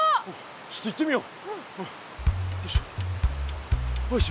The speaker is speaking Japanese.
ちょっと行ってみよう。